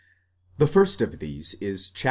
The first of these is iv.